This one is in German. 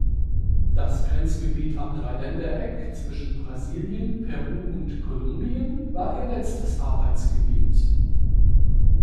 Das Grenzgebiet am Dreiländereck zwischen Brasilien, Peru und Kolumbien war ihr letztes Arbeitsgebiet.